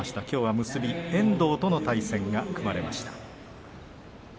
きょうは結び遠藤との対戦が組まれました。